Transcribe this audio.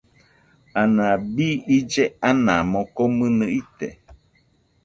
Anabi ille anamo, komɨnɨ ite.